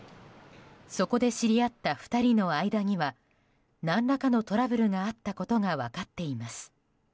そこで知り合った２人の間には何らかのトラブルがあったことが分かっています。